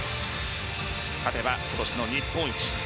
勝てば今年の日本一。